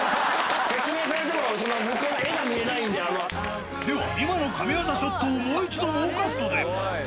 説明されても私は向こうの絵が見では、今の神業ショットを、もう一度ノーカットで。